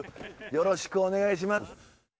よろしくお願いします。